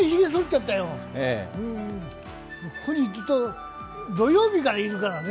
ここにずっと、土曜日からいるからね。